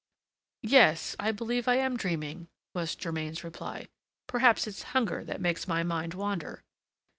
"Yes, I believe I am dreaming," was Germain's reply; "perhaps it's hunger that makes my mind wander."